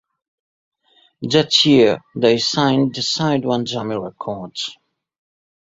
That year, they signed to SideOneDummy Records.